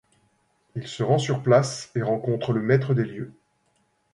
Il se rend sur place et rencontre le maître des lieux.